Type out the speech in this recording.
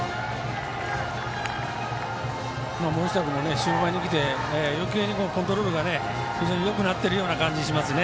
森下君も終盤にきてよけいにコントロールが非常によくなっているような感じがしますね。